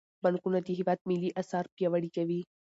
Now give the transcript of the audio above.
بانکونه د هیواد ملي اسعار پیاوړي کوي.